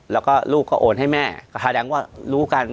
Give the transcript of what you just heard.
แล้วก็ลูกก็โอนให้แม่ก็แสดงว่ารู้กัน